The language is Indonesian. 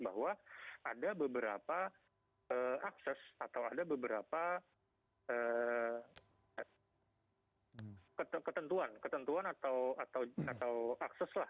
bahwa ada beberapa akses atau ada beberapa ketentuan ketentuan atau akses lah